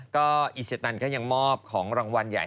ก็อิสตันก็ยังมอบของรางวัลใหญ่